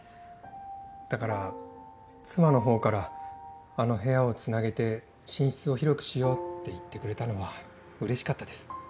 だから妻のほうからあの部屋をつなげて寝室を広くしようって言ってくれたのはうれしかったです。